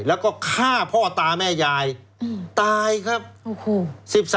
แล้วก็ฆ่าพ่อตาแม่อายตายครับ